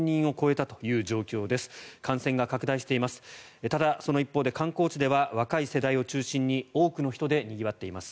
ただ、その一方で観光地では若い世代を中心に多くの人でにぎわっています。